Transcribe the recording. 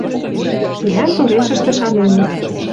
Цилӓн турешӹшты шаненӹт